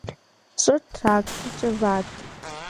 Щӏыр тракторкӏэ ват.